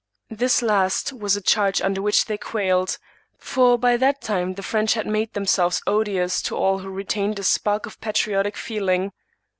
This last was a charge under which they quailed; for by that time the French had made themselves odious to all who retained a spark of patriotic feeling.